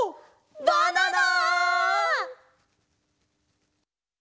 バナナ！